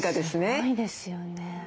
すごいですよね。